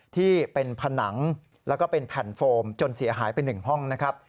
ที่เป็นผนังแล้วก็เป็นแผ่นโฟมจนเสียหายไป๑ห้องนะครับ